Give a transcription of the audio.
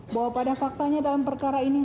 bahwa pada faktanya dalam perkara ini